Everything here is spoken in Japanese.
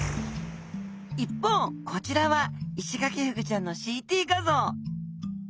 一方こちらはイシガキフグちゃんのＣＴ画像。